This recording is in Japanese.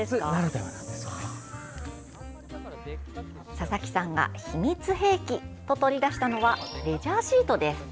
佐々木さんが秘密兵器と取り出したのはレジャーシートです。